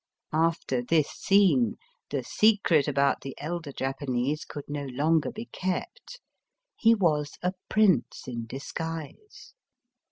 After this scene the secret about the elder Japanese could no longer be kept. He was a prince in disguise.